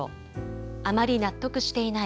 あまり納得していない